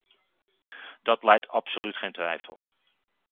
Dat lijdt absoluut geen twijfel.